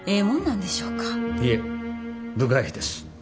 いえ部外秘です。